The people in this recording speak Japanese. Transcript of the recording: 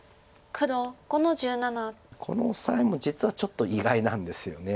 このオサエも実はちょっと意外なんですよね。